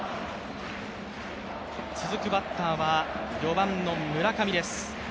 続くバッターは４番の村上です。